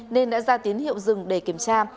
nên đã ra tiến hiệu dừng để kiểm tra